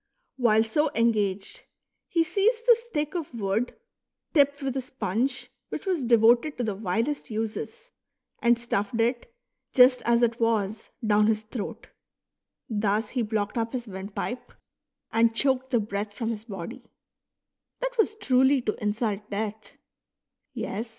While so engaged, he seized the stick of wood, tipped with a sponge, which was devoted to the vilest uses, and stuffed it, just as it was, down his throat ; thus he blocked up his windpipe, and choked 67 THE EPISTLES OF SENECA Hoc fuit movti contumeliam facere.